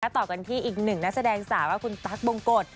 แล้วต่อกลังที่อีกหนึ่งนักแสดงสาวคุณตั๊กบงโกศ